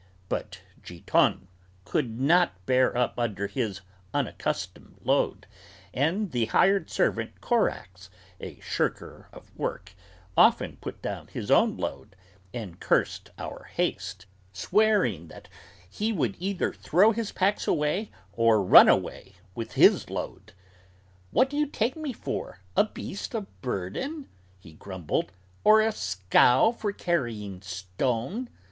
But Giton could not bear up under his unaccustomed load, and the hired servant Corax, a shirker of work, often put down his own load and cursed our haste, swearing that he would either throw his packs away or run away with his load. "What do you take me for, a beast of burden?" he grumbled, "or a scow for carrying stone?